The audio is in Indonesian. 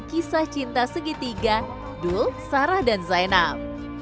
adalah cinta segitiga dul sarah dan zainab